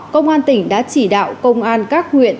công an tỉnh đã chỉ đạo công an các huyện